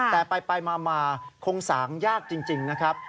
แต่ไปมาคงสางยากจริงนะครับ